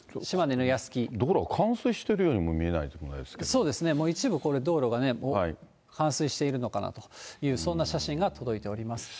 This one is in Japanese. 道路が冠水しているようにもそうですね、もう一部道路が冠水しているのかなという、そんな写真が届いております。